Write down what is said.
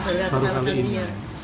pernah pernahan yang ini ya